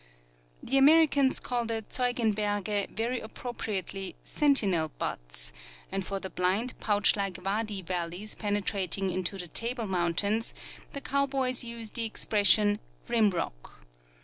The Americans call the "Zeugenberge" very appropriately " sentinel buttes ;" and for the blind pouchlike Avadi valleys penetrating into the table mountains the coAvboys use the expression " rim rock."